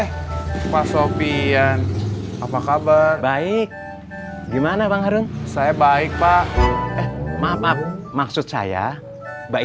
hai pengaruh eh pak sofian apa kabar baik gimana bang harun saya baik pak maaf maksud saya mbak